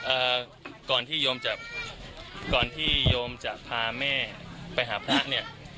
เอ่อก่อนที่โยมจะก่อนที่โยมจะพาแม่ไปหาพระเนี่ย